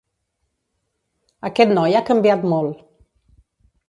Aquest noi ha canviat molt.